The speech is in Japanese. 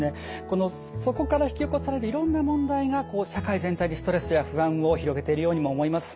このそこから引き起こされるいろんな問題が社会全体にストレスや不安を広げているようにも思います。